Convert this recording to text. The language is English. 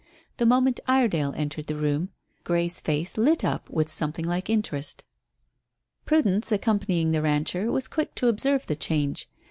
The moment Iredale entered the room Grey's face lit up with something like interest. Prudence, accompanying the rancher, was quick to observe the change.